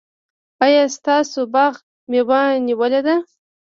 ایا ستاسو باغ مېوه نیولې ده؟